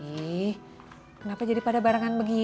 ih kenapa jadi pada barangan begini sih